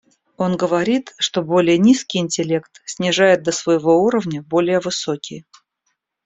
Он говорит, что более низкий интеллект снижает до своего уровня более высокий.